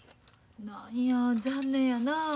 何や残念やなあ。